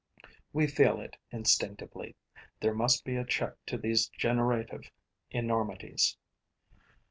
We feel it instinctively: there must be a check to these generative enormities.